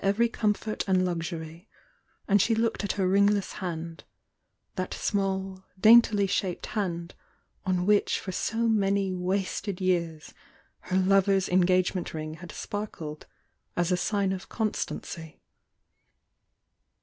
eve^ comfort and luxury, and she looked at her ringless hand, thatH daintily shaped hand, on which for so m^y wasted years her lover's engagement ring had markled as a sign of constancy.